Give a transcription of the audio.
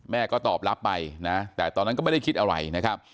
ก็ตอบรับไปนะแต่ตอนนั้นก็ไม่ได้คิดอะไรนะครับ